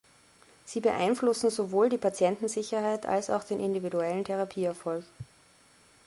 Sie beeinflussen sowohl die Patientensicherheit als auch den individuellen Therapieerfolg.